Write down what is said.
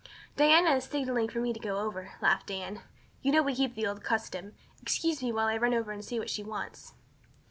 "Diana is signaling for me to go over," laughed Anne. "You know we keep up the old custom. Excuse me while I run over and see what she wants."